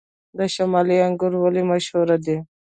د شمالي انګور ولې مشهور دي؟